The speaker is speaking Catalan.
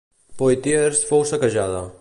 Poitiers fou saquejada.